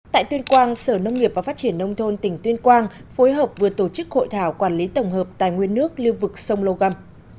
tại tuyên quang sở nông nghiệp và phát triển nông thôn tỉnh tuyên quang phối hợp vừa tổ chức hội thảo quản lý tổng hợp tài nguyên nước lưu vực sông lô găm